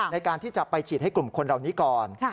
ในการที่จะไปฉีดให้กลุ่มคนเหล่านี้ก่อน